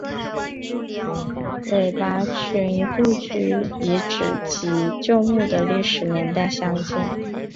韦拔群故居遗址及旧墓的历史年代为近代。